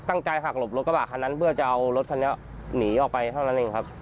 หักหลบรถกระบะคันนั้นเพื่อจะเอารถคันนี้หนีออกไปเท่านั้นเองครับ